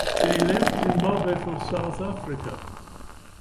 They left Zimbabwe for South Africa.